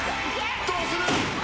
どうする？